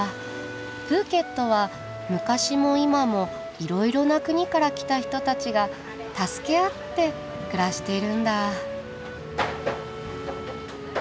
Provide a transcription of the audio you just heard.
プーケットは昔も今もいろいろな国から来た人たちが助け合って暮らしているんだ。